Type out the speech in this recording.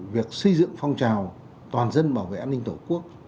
việc xây dựng phong trào toàn dân bảo vệ an ninh tổ quốc